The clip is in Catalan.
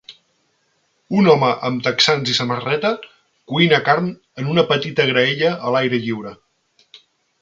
Un home amb texans i samarreta cuina carn en una petita graella a l'aire lliure.